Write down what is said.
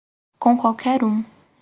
Com qualquer um